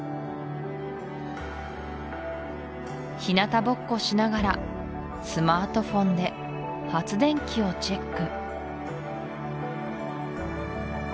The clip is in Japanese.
ひなたぼっこしながらスマートフォンで発電機をチェック